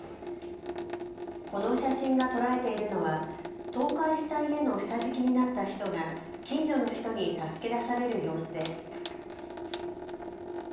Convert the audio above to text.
この写真が捉えているのは倒壊した家の下敷きになった人が近所の人に助け出される様子です。